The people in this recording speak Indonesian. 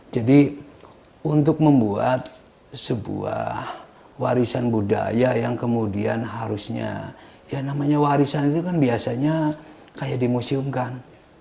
jadi untuk membuat sebuah warisan budaya yang kemudian harusnya ya namanya warisan itu kan biasanya kayak dimuseumkan